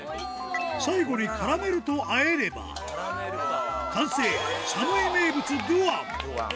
最後にカラメルとあえれば、完成、サムイ名物、ドゥアン。